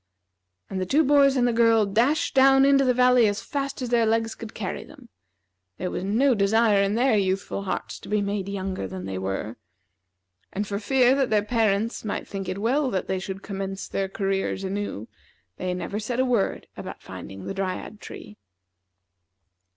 And the two boys and the girl dashed down into the valley as fast as their legs could carry them. There was no desire in their youthful hearts to be made younger than they were. And for fear that their parents might think it well that they should commence their careers anew, they never said a word about finding the Dryad tree.